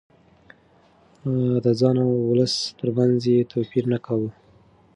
د ځان او ولس ترمنځ يې توپير نه کاوه.